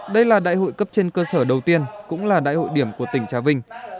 đây là đại hội cấp trên cơ sở đầu tiên cũng là đại hội điểm của tỉnh trà vinh